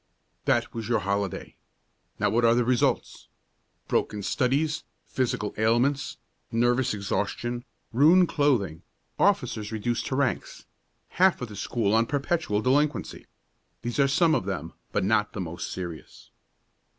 "That was your holiday. Now what are the results? Broken studies, physical ailments, nervous exhaustion, ruined clothing, officers reduced to ranks, half of the school on perpetual delinquency. These are some of them, but not the most serious.